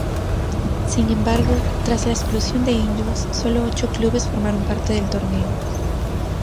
Sin embargo tras la exclusión de Angels, solo ocho clubes formaron parte del torneo.